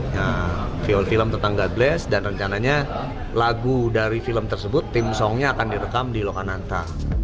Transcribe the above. nah vial film tentang god bless dan rencananya lagu dari film tersebut tim songnya akan direkam di lokananta